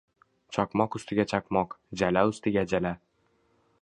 Chaqmoq ustiga chaqmoq, jala ustiga jala.